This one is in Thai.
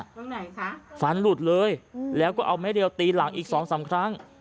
ตรงไหนคะฟันหลุดเลยแล้วก็เอาไม้เรียวตีหลังอีกสองสามครั้ง